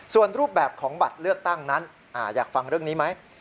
ส่วนรูปแบบของบัตรเลือกตั้งนั้นอยากฟังเรื่องนี้ไหม